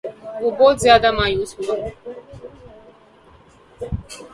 وہ بہت زیادہ مایوس ہوا